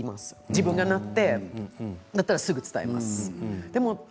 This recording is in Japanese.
自分がなったらすぐに伝えます。